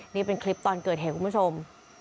นี่เป็นคลิปตอนเกิดเหตุคุณผู้ชม